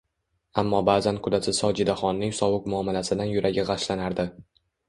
Ammo ba`zan qudasi Sojidaxonning sovuq muomalasidan yuragi g`ashlanardi